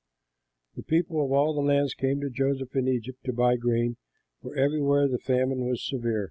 The peoples of all lands came to Joseph in Egypt to buy grain, for everywhere the famine was severe.